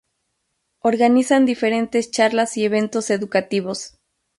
Organizan diferentes charlas y eventos educativos.